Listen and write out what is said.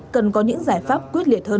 cần có những giải pháp quyết liệt hơn